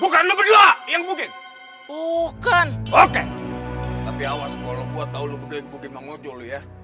bukan lu berdua yang bukin bukan oke tapi awas kalo gue tahu lu berdua yang kebukin manggung